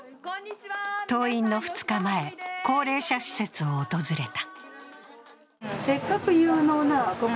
登院の２日前、高齢者施設を訪れた。